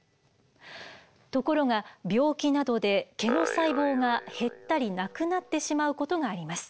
ところが病気などで毛の細胞が減ったりなくなってしまうことがあります。